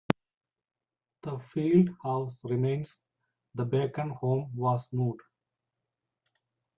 The Fields house remains; the Bacon home was moved.